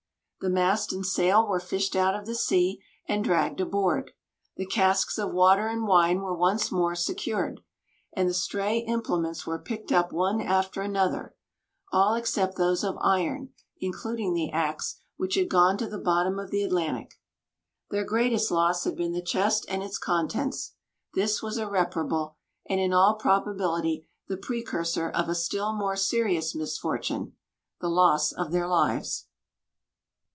The mast and sail were fished out of the sea and dragged aboard; the casks of water and wine were once more secured; and the stray implements were picked up one after another, all except those of iron, including the axe, which had gone to the bottom of the Atlantic. Their greatest loss had been the chest and its contents. This was irreparable; and in all probability the precursor of a still more serious misfortune, the loss of their lives.